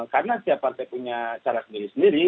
karena setiap partai punya cara sendiri sendiri